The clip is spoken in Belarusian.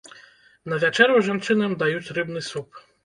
На вячэру жанчынам даюць рыбны суп.